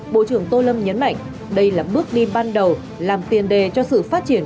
bộ trưởng tô lâm nhấn mạnh đây là bước đi ban đầu làm tiền đề cho sự phát triển